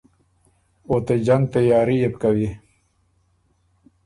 او ته جنګ تیاري يې بو کوی۔